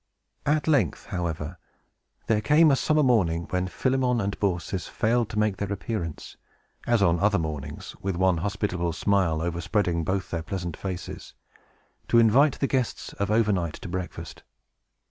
At length, however, there came a summer morning when Philemon and Baucis failed to make their appearance, as on other mornings, with one hospitable smile overspreading both their pleasant faces, to invite the guests of over night to breakfast.